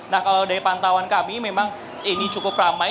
nah kalau dari pantauan kami memang ini cukup ramai